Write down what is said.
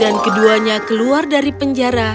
dan keduanya keluar dari penjara